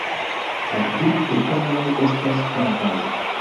La kvin petaloj estas flavaj.